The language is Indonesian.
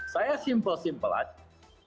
saya simpel simpel aja